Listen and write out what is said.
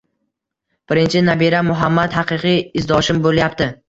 Birinchi nabiram Muhammad haqiqiy izdoshim bo’lyapti.